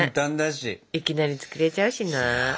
いきなり作れちゃうしな。